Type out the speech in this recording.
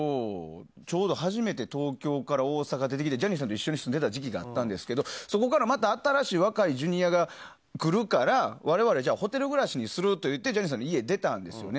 ちょうど、初めて東京から大阪に出てきてジャニーさんと一緒に住んでた時期があったんですけどそこからまた新しい若いジュニアが来るから我々ホテル暮らしにするっていってジャニーさんの家を出たんですよね。